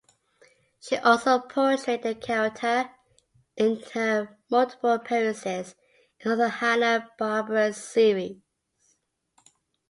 She also portrayed the character in her multiple appearances in other Hanna-Barbera series.